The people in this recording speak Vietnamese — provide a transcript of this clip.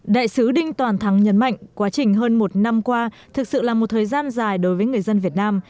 đại sứ đinh toàn thắng nhấn mạnh quá trình hơn một năm qua thực sự là một thời gian dài đối với người dân việt nam